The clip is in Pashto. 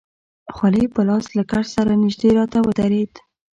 خولۍ په لاس له کټ سره نژدې راته ودرېد.